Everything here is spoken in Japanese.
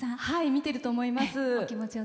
見てると思います。